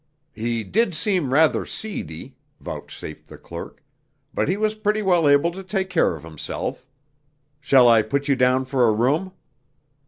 "He did seem rather seedy," vouchsafed the clerk. "But he was pretty well able to take care of himself. Shall I put you down for a room?"